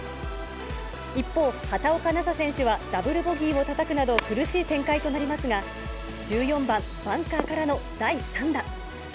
一方、畑岡奈紗選手はダブルボギーをたたくなど、苦しい展開となりますが、１４番、バンカーからの第３打。